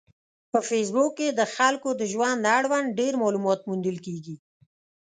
په فېسبوک کې د خلکو د ژوند اړوند ډېر معلومات موندل کېږي.